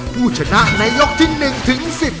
ผู้ชนะในยกที่๑ถึง๑๐